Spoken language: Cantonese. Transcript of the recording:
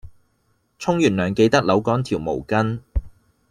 沖完涼記得扭乾條毛巾